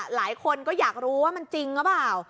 หลายคนก็อยากรู้ว่ามันจริงหรือเปล่า